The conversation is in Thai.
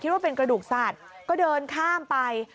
คิดว่าเป็นกระดูกสาดก็เดินข้ามไป